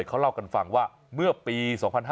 เขาเล่ากันฟังว่าเมื่อปี๒๕๕๙